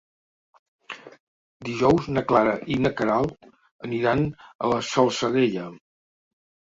Dijous na Clara i na Queralt aniran a la Salzadella.